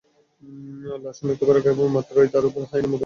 লাশ শনাক্ত করা মাত্রই সে তাঁর উপর হায়েনার মত ঝাঁপিয়ে পড়ে।